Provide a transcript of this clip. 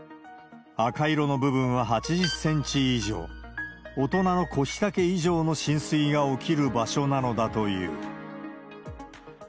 赤色の部分は８０センチ以上、大人の腰丈以上の浸水が起きる場所なのだという。